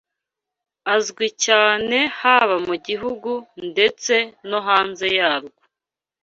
Azwi cyane haba mu gihugu ndetse no hanze yarwo